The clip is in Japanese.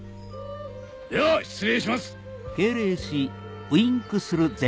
では失礼します！